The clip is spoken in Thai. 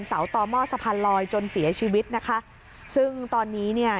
ต่อหม้อสะพานลอยจนเสียชีวิตนะคะซึ่งตอนนี้เนี่ย